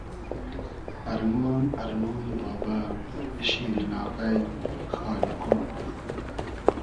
ارمۉ ام ارمۉنی بابۂ ، شیرین آغݷ ، خالیقۉ